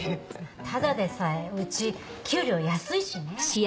ただでさえうち給料安いしね。